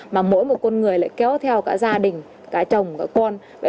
mà mỗi một con người lại kéo theo cả gia đình cả chồng các con